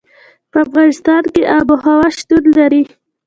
په افغانستان کې آب وهوا شتون لري.